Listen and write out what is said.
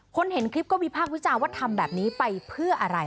เห็นคลิปก็วิพากษ์วิจารณ์ว่าทำแบบนี้ไปเพื่ออะไร